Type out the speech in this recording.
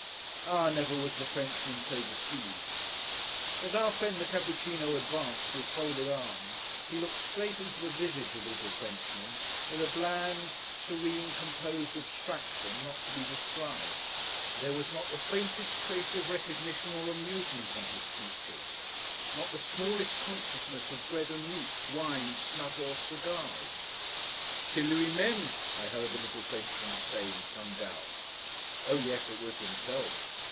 Ah! never was the Frenchman so deceived. As our friend the Cappuccíno advanced, with folded arms, he looked straight into the visage of the little Frenchman, with a bland, serene, composed abstraction, not to be described. There was not the faintest trace of recognition or amusement on his features; not the smallest consciousness of bread and meat, wine, snuff, or cigars. 'C'est lui même,' I heard the little Frenchman say, in some doubt. Oh yes, it was himself.